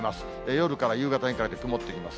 夜から夕方にかけ、曇ってきます。